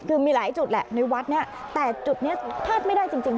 คือมีหลายจุดแหละในวัดเนี่ยแต่จุดนี้พลาดไม่ได้จริง